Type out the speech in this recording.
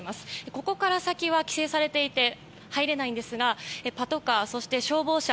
ここから先は規制されていて入れないんですがパトカーそして消防車